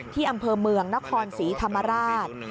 ที่อำเภอเมืองนครศรีธรรมราช